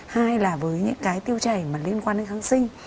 hai là với những cái tiêu chảy mà liên quan đến kháng sinh